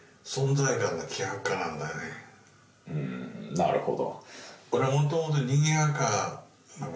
なるほど。